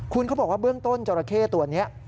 คุณเขาบอกว่าเบื้องต้นจราเข้ตัวนี้